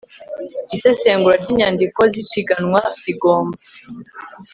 isesengura ry inyandiko z ipiganwa rigomba